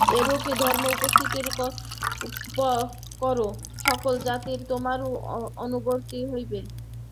এইরূপ ধর্ম উপস্থাপিত কর, সকল জাতিই তোমার অনুবর্তী হইবে।